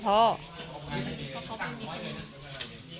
เพราะเขาไม่มีใช่ไหม